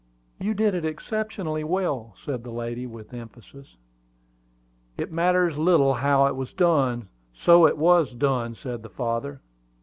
"You did it exceedingly well," said the lady, with emphasis. "It matters little how it was done, so it was done," said the father.